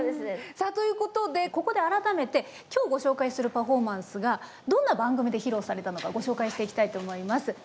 さあということでここで改めて今日ご紹介するパフォーマンスがどんな番組で披露されたのかご紹介していきたいと思います。